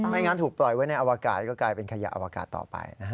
งั้นถูกปล่อยไว้ในอวกาศก็กลายเป็นขยะอวกาศต่อไปนะฮะ